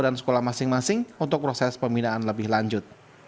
dan sekolah masing masing untuk proses pembinaan lebih lanjut